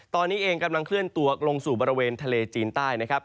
ตอนนี้เองกำลังเคลื่อนตัวลงสู่บริเวณทะเลจีนใต้นะครับ